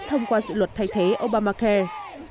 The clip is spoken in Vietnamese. thông qua dự luật thay thế obamacare